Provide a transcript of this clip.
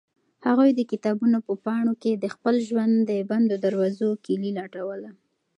هغوی د کتابونو په پاڼو کې د خپل ژوند د بندو دروازو کیلي لټوله.